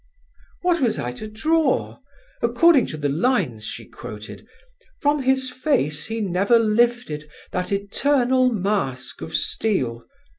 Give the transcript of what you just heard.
"What was I to draw? According to the lines she quoted: "'From his face he never lifted That eternal mask of steel.